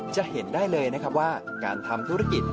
จะเห็นได้เลยนะครับว่าการทำธุรกิจ